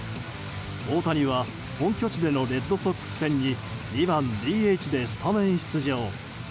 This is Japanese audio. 大谷は、本拠地でのレッドソックス戦に２番ＤＨでスタメン出場。